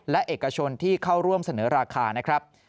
และเอกชนที่เข้าร่วมเสนอราคานะครับ